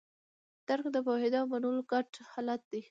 درک د پوهېدو او منلو ګډ حالت دی.